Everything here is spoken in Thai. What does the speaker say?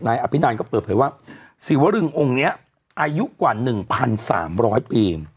นายอภินาทก็เปิดเผยว่าสิวรึงองค์เนี้ยอายุกว่าหนึ่งพันสามร้อยปี